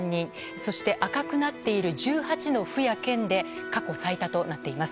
そして赤くなっている１８の府や県で過去最多となっています。